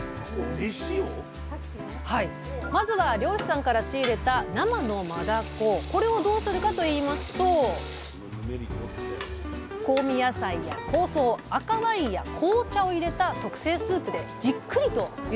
まずは漁師さんから仕入れたこれをどうするかといいますと香味野菜や香草赤ワインや紅茶を入れた特製スープでじっくりとゆでていきます！